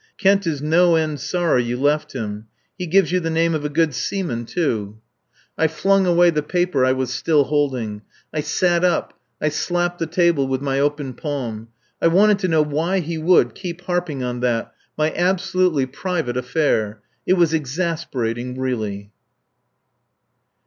Kent is no end sorry you left him. He gives you the name of a good seaman, too." I flung away the paper I was still holding. I sat up, I slapped the table with my open palm. I wanted to know why he would keep harping on that, my absolutely private affair. It was exasperating, really.